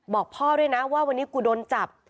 บอกพ่อด้วยนะว่าวันนี้กูโดนจับ